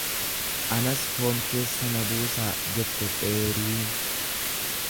Anas foon keessa na buusaa jette xeeriin.